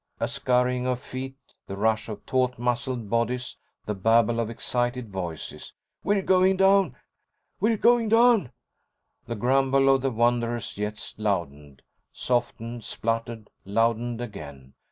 A scurrying of feet, the rush of taut muscled bodies, the babble of excited voices. "We're going down!" "We're going down!" The grumble of the Wanderer's jets loudened, softened, spluttered, loudened again.